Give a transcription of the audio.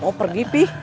mau pergi pi